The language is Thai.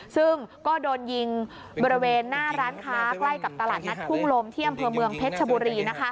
ซึ่งก็โดนยิงบริเวณหน้าร้านค้าใกล้กับตลาดนัดทุ่งลมที่อำเภอเมืองเพชรชบุรี